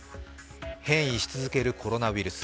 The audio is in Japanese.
変異し続けるコロナウイルス。